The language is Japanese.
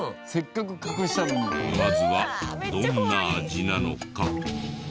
まずはどんな味なのか。